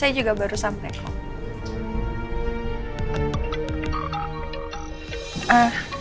saya juga baru sampai